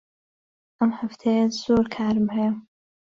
ئەم هەفتەیە زۆر کارم هەیە.